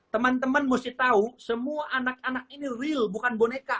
teman teman mesti tahu semua anak anak ini real bukan boneka